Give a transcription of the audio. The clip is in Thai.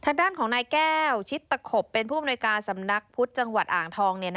ทางด้านของนายแก้วชิดตะขบเป็นผู้อำนวยการสำนักพุทธจังหวัดอ่างทอง